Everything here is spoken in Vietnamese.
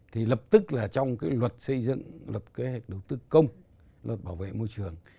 thì lập tức là trong cái luật xây dựng luật kế hoạch đầu tư công luật bảo vệ môi trường